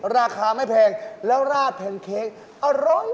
ราคาไม่แพงแล้วราดแพนเค้กอร่อย